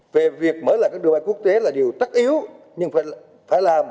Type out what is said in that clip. về việc mở lại các đường bay quốc tế là điều tắc yếu nhưng phải làm